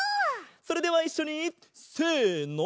それではいっしょに！せの！